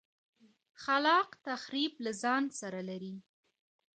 خلاق تخریب له ځان سره لري.